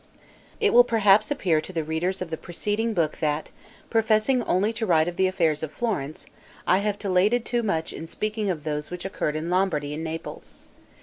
It will perhaps appear to the readers of the preceding book that, professing only to write of the affairs of Florence, I have dilated too much in speaking of those which occurred in Lombardy and Naples.